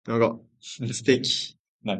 素敵